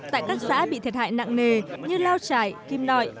tại các xã bị thiệt hại nặng nề như lao trải kim nội